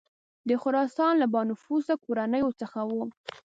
د خراسان له بانفوذه کورنیو څخه وه.